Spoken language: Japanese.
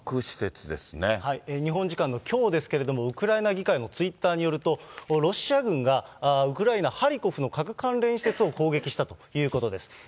日本時間のきょうですけれども、ウクライナ議会のツイッターによると、ロシア軍が、ウクライナ・ハリコフの核関連施設を攻撃したということです。